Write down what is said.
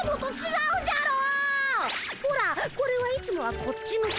ほらこれはいつもはこっち向き。